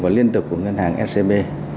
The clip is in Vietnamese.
và liên tục của ngân hàng scb